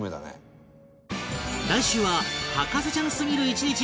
来週は博士ちゃんすぎる１日に密着